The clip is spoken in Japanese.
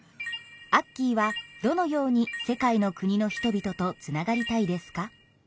アッキーはどのように世界の国の人々とつながりたいですか？